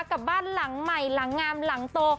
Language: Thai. กับบ้านหลังใหม่หลังงามหลังโต